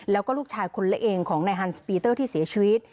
แล้วก็ลูกชายคนละเองของนายฮันสปีเตอร์ที่เสียชีวิต